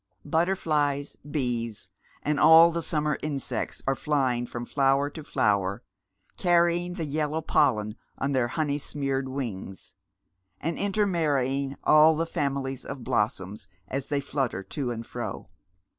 Butterflies, bees, and all the summer insects, are flying from flower to flower, carrying the yellow pollen on their honey smeared wings, and intermanying all the families of blossoms as they flutter to and fi'o.